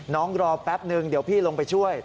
รอแป๊บนึงเดี๋ยวพี่ลงไปช่วย